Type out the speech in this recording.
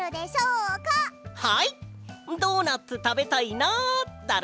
ドーナツたべたいなだろ？